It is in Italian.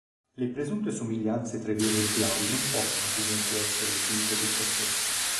Le presunte somiglianze tra i due esemplari non possono comunque essere definite con certezza.